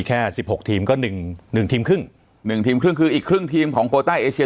แค่๑๖ทีมก็๑๑ทีมครึ่งคืออีกครึ่งทีมของโกต้าเอเชีย